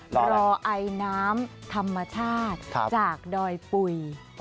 รอไอน้ำธรรมชาติจากดอยปุ๋ย